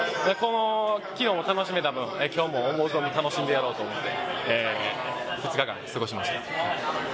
昨日も楽しめたので、今日も思う存分楽しんでやろうと思って２日間楽しみました。